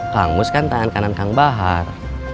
kang mus kan tangan kanan kang bahar